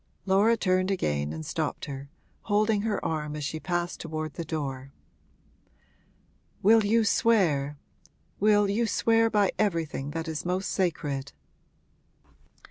Laura turned again and stopped her, holding her arm as she passed toward the door. 'Will you swear will you swear by everything that is most sacred?'